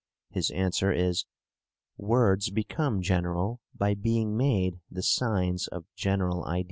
His answer is: 'Words become general by being made the signs of general ideas.'